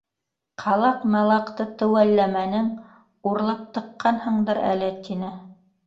Ҡалаҡ-малаҡты теүәлләмәнең, урлап тыҡҡанһыңдыр әле, — тине.